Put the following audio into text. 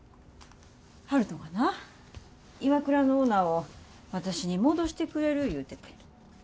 悠人がなＩＷＡＫＵＲＡのオーナーを私に戻してくれる言うてて。